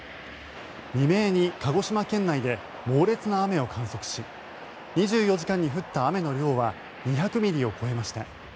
未明に鹿児島県内で猛烈な雨を観測し２４時間に降った雨の量は２００ミリを超えました。